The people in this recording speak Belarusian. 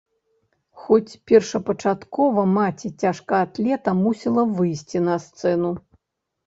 Хоць першапачаткова маці цяжкаатлета мусіла выйсці на сцэну.